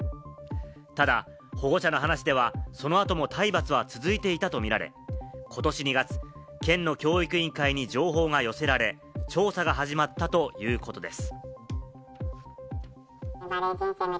ただ、保護者の話ではそのあとも体罰は続いていたとみられ、今年２月、県の教育委員会に情報が寄せられ、調査が始まったということです。